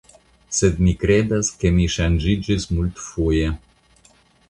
Sed mi kredas ke mi ŝanĝiĝis multfoje.